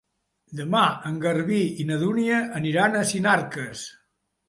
Demà en Garbí i na Dúnia aniran a Sinarques.